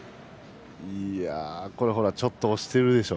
ほら、ちょっと押してるでしょ。